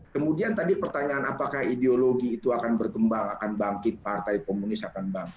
kemudian tadi pertanyaan apakah ideologi itu akan berkembang akan bangkit partai komunis akan bangkit